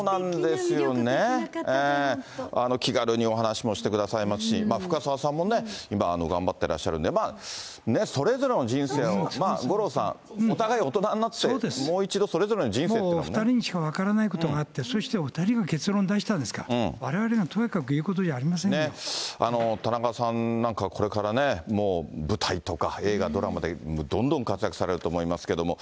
すてきな魅力的な方で、気軽にお話もしてくださいますし、深沢さんもね、今、頑張ってらっしゃるんで、それぞれの人生を、五郎さん、お互い大人になって、もう一度、もう２人にしか分からないことがあって、そしてお２人が結論出したんですから、われわれがとやかく言うこ田中さんなんか、これからね、もう舞台とか映画、ドラマでどんどん活躍されると思いますけれども。